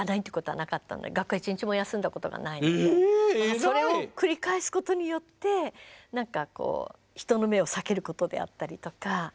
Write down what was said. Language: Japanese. それを繰り返すことによって人の目を避けることであったりとか。